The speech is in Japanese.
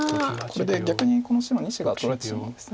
これで逆にこの白２子が取られてしまうんです。